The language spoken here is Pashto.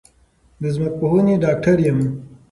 د ځمکپوهنې ډاکټر یم